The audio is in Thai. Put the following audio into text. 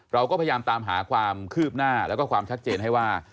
เราก็พยายามตามหาความคืบหน้าแล้วก็ความชัดเจนให้ว่า